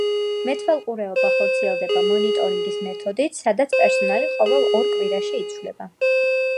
მეთვალყურეობა ხორციელდება მონიტორინგის მეთოდით, სადაც პერსონალი ყოველ ორ კვირაში იცვლება.